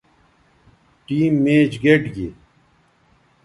ٹیم میچ گئٹ گی